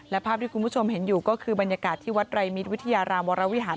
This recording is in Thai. และภาพที่คุณผู้ชมเห็นอยู่ก็คือบรรยากาศที่วัดไรมิตวิทยารามวรวิหาร